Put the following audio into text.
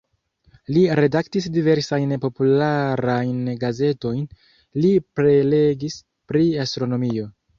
Li redaktis diversajn popularajn gazetojn, li prelegis pri astronomio.